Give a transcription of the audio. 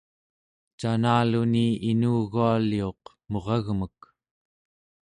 canaluni inugualiuq muragmek